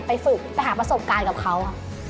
ฝึกไปหาประสบการณ์กับเขา